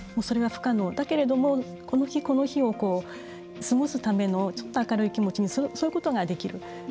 だけれども、その日その日を過ごすためのちょっと明るい気持ちにそういうことができる。